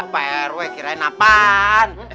pak rw kirain apaan